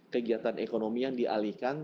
kegiatan ekonomi yang dialihkan